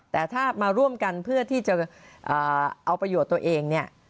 แต่ถ้ามาร่วมกันเพื่อที่จะเอาประโยชน์ตัวเองเนี่ย